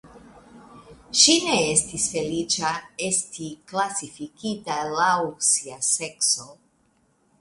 Ŝi ne estis feliĉa esti klasifikita laŭ sia sekso.